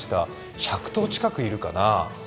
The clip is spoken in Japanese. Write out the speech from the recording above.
１００頭近くいるかな。